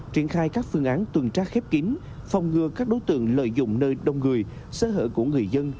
triển khai các phương án tuần tra khép kín phòng ngừa các đối tượng lợi dụng nơi đông người sơ hở của người dân